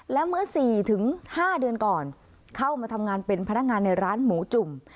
และเมื่อ๔๕เดือนก่อนเข้ามาทำงานเป็นพนักงานในร้านหมูจุ่ม